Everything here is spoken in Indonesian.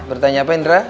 bertanya apa indra